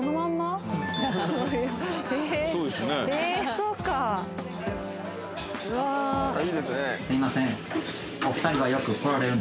すいません。